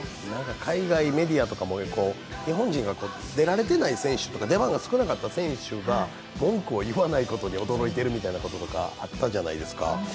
海外メディアとかも日本人が出られていない選手とか出番が少なかった選手が文句を言わないことに驚いているとかあったじゃないですか。